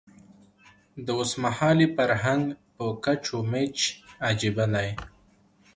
د اوسمهالي فرهنګ په کچ و میچ عجیبه دی.